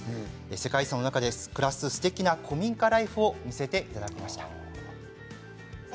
世界遺産の中で暮らすすてきな古民家ライフを見せていただきました。